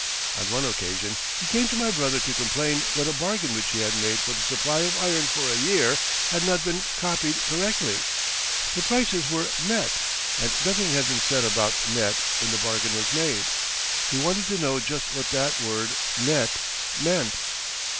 On one occasion he came to my brother to complain that a bargain which he had made for the supply of iron for a year had not been copied correctly. The prices were "net," and nothing had been said about "net" when the bargain was made. He wanted to know just what that word "net" meant.